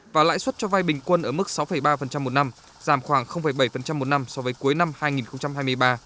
và lãi suất cho vay bình quân ở mức sáu ba một năm giảm khoảng bảy một năm so với cuối năm hai nghìn hai mươi ba